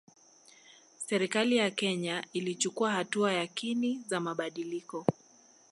Serikali ya Kenya ilichukua hatua yakini za mabadiliko